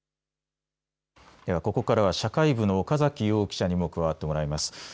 ここからは社会部の岡崎瑶記者にも加わってもらいます。